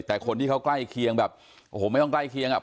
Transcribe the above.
แต่คนที่เขาใกล้เคียงแบบโอ้โหไม่ต้องใกล้เคียงอ่ะ